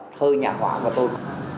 thơ nhạc họa của tôi